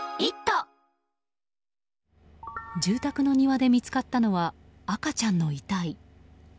住宅の庭で見つかったのは赤ちゃんの遺体。